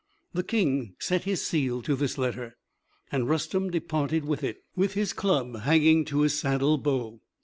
The King set his seal to this letter, and Rustem departed with it, with his club hanging to his saddlebow.